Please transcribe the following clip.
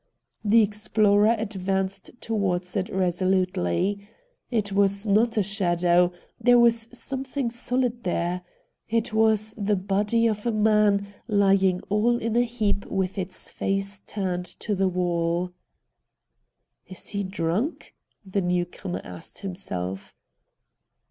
The explorer advanced towards it resolutely. It was not a shadow ; there was something sohd there ; it was the body of a man lying all in a heap with its face turned to the wall !' Is he drunk ?' the new comer asked himself.